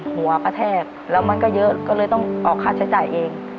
หัวกระแทกแล้วมันก็เยอะก็เลยต้องออกค่าใช้จ่ายเอง